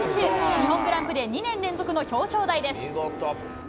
日本グランプリ、２年連続の表彰台です。